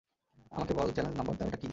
আমাকে বল, challenge number তেরো টা কি?